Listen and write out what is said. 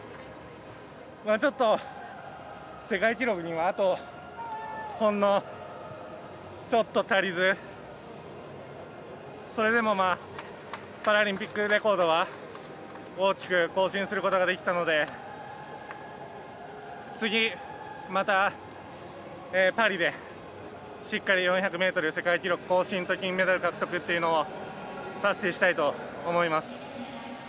ちょっと世界記録にはあと、ほんのちょっと足りずそれでもパラリンピックレコードは大きく更新することができたので次、またパリでしっかり４００ｍ世界記録更新と金メダル獲得というのを達成したいと思います。